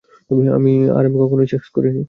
আর আমি কখনই সেক্স করিনি!